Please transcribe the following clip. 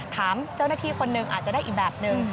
ถามเจ้าหน้าที่คนหนึ่งอาจจะได้อีกแบบหนึ่ง